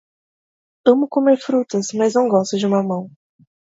Amo comer frutas, mas não gosto de mamão.